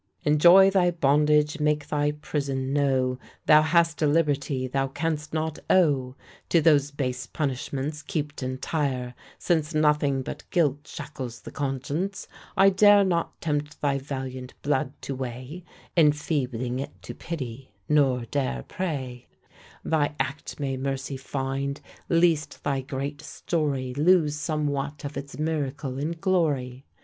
Enjoy thy bondage, make thy prison know Thou hast a liberty, thou canst not owe To those base punishments; keep't entire, since Nothing but guilt shackles the conscience. I dare not tempt thy valiant blood to whey, Enfeebling it to pity; nor dare pray Thy act may mercy finde, least thy great story Lose somewhat of its miracle and glory.